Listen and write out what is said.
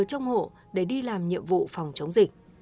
trong hộ để đi làm nhiệm vụ phòng chống dịch